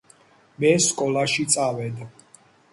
მე სკოლაში წავედ